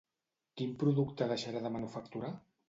Quin producte deixarà de manufacturar?